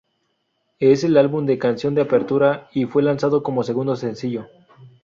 Es el álbum de canción de apertura, y fue lanzado como segundo sencillo.